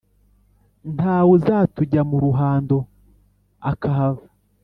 ntawe uzatujya mu ruhando akahava.